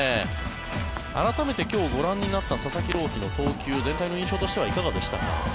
改めて今日ご覧になった佐々木朗希の投球全体の印象としてはいかがですか。